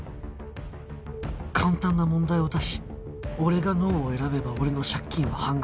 簡単な問題を出し俺が ＮＯ を選べば俺の借金は半額になる